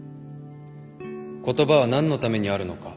言葉は何のためにあるのか。